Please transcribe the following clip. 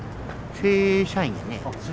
正社員で。